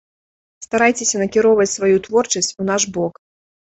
Старайцеся накіроўваць сваю творчасць у наш бок.